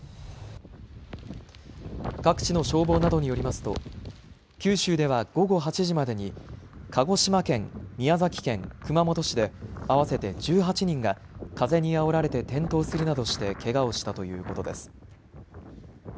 各地の消防などによりますと九州では午後８時までに鹿児島県、宮崎県、熊本市で合わせて１８人が風にあおられて転倒するなどしてけがをしたということです。